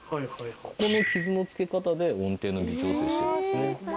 ここの傷の付け方で音程の微調整してる。